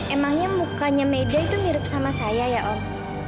emangnya mukanya media itu mirip sama saya ya om